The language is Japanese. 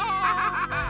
ハハハハ！